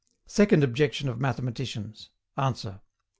SECOND OBJECTION OF MATHEMATICIANS. ANSWER.